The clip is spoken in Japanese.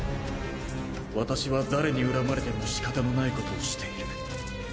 私は誰に恨まれてもしかたのないことをしている。